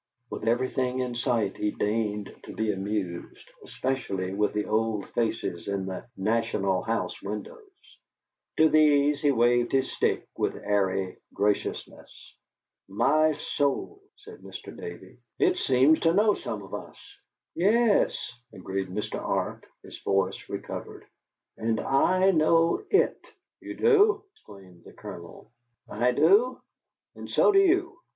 With everything in sight he deigned to be amused, especially with the old faces in the "National House" windows. To these he waved his stick with airy graciousness. "My soul!" said Mr. Davey. "It seems to know some of us!" "Yes," agreed Mr. Arp, his voice recovered, "and I know IT." "You do?" exclaimed the Colonel. "I do, and so do you.